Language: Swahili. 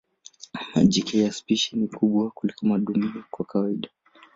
Majike ya spishi ni wakubwa kuliko madume kwa kawaida.